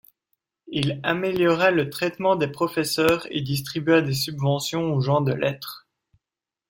Il améliora le traitement des professeurs et distribua des subventions aux gens de lettres.